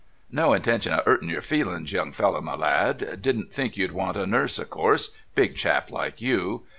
"No intention of 'urting your feelings, young fellow my lad. Didn't think you'd want a nurse of course big chap like you.